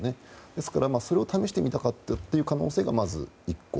ですからそれを試してみたかった可能性が１個。